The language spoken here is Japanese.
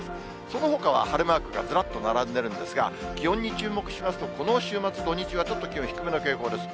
そのほかは晴れマークがずらっと並んでるんですが、気温に注目しますと、この週末、土日は、ちょっと気温低めの傾向です。